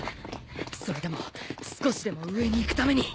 それでも少しでも上に行くために。